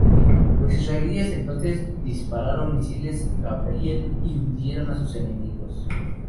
Los israelíes entonces dispararon misiles Gabriel y hundieron sus enemigos.